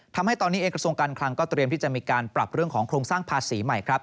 ทำให้ตอนนี้เองกระทรวงการคลังก็เตรียมที่จะมีการปรับเรื่องของโครงสร้างภาษีใหม่ครับ